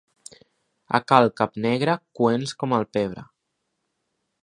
A Cal Capnegre, coents com el pebre.